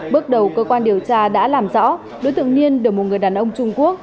bước đầu cơ quan điều tra đã làm rõ đối tượng niên được một người đàn ông trung quốc